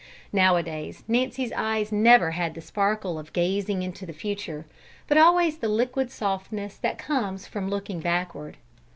Nowadays Nancy's eyes never had the sparkle of gazing into the future, but always the liquid softness that comes from looking backward.